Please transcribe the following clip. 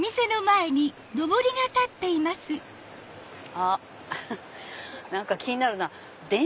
あっ何か気になるな。